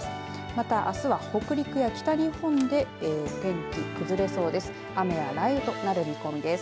また、あすは北陸や北日本で天気崩れそうです。